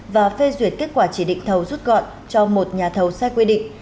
và phê duyệt kết quả chỉ định thầu rút gọn cho một nhà thầu sai quy định